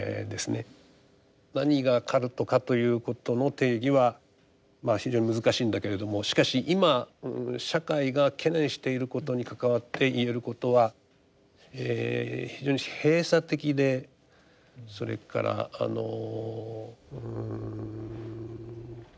何がカルトかということの定義は非常に難しいんだけれどもしかし今社会が懸念していることに関わって言えることは非常に閉鎖的でそれからあのうん